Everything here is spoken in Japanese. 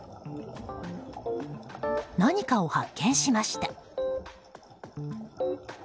何かを発見しました。